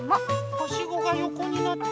はしごがよこになって。